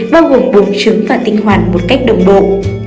bao gồm bụng trứng và tinh hoạt